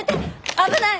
危ない！